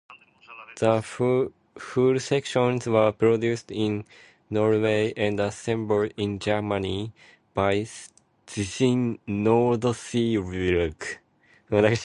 The hull sections were produced in Norway and assembled in Germany by Thyssen Nordseewerke.